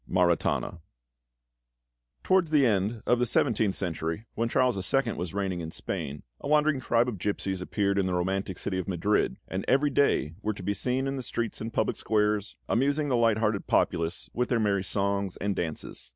MARITANA Towards the end of the seventeenth century, when Charles II. was reigning in Spain, a wandering tribe of gipsies appeared in the romantic city of Madrid, and every day were to be seen in the streets and public squares, amusing the light hearted populace with their merry songs and dances.